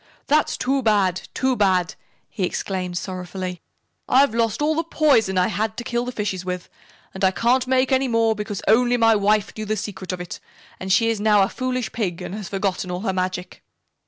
"That's too bad too bad!" he exclaimed sorrowfully. "I've lost all the poison I had to kill the fishes with, and I can't make any more because only my wife knew the secret of it, and she is now a foolish Pig and has forgotten all her magic."